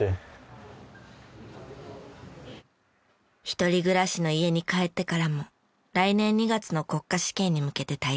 一人暮らしの家に帰ってからも来年２月の国家試験に向けて対策。